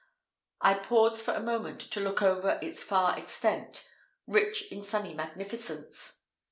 I paused for a moment to look over its far extent, rich in sunny magnificence.